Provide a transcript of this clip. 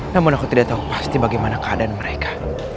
namun aku tidak tahu pasti bagaimana keadaan mereka